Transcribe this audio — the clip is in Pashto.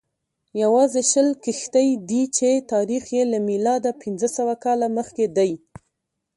یوازې شل کښتۍ دي چې تاریخ یې له میلاده پنځه سوه کاله مخکې دی